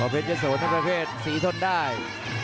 เพชรยะโสทั้งประเภทศรีทนได้